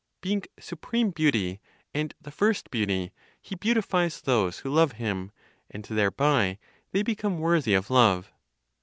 Being supreme beauty, and the first beauty, He beautifies those who love Him, and thereby they become worthy of love.